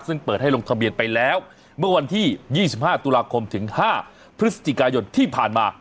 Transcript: ซึ่งเปิดให้ลงทะเบียนไปแล้วเมื่อวันที่๒๕ตุลาคมถึง๕พฤศจิกายนที่ผ่านมา